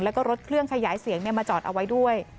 แล้วก็รถเครื่องขยายเสียงมาจอดเอาไว้ด้วย